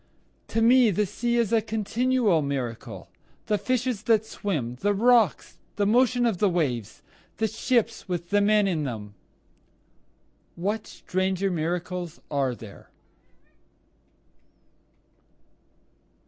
To me the sea is a continual miracle, The fishes that swim the rocks the motion of the waves the ships with the men in them, What stranger miracles are there?